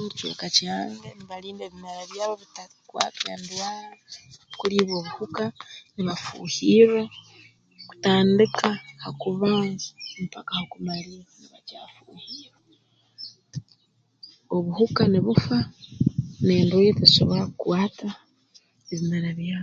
Mu kicweka kyange mbalinda ebimera byabo bitakwatwa endwara kulibwa obuhuka nibafuuhirra kutandika ha kubanza mpaka ha kumalirra nibakyafuuhirra obuhuka nubufa n'endwaire tizisobora kukwata ebimera byab